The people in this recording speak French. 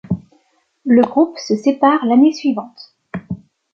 Le groupe se sépare l'année suivante.